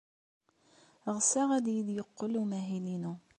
Ɣseɣ ad iyi-d-yeqqel umahil-inu.